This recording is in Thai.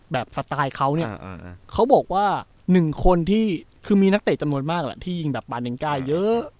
สไตล์เขาเนี่ยเขาบอกว่าหนึ่งคนที่คือมีนักเตะจำนวนมากแหละที่ยิงแบบปาเนงก้าเยอะ